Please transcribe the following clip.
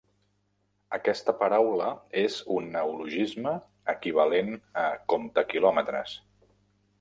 Aquesta paraula és un neologisme equivalent a comptaquilòmetres.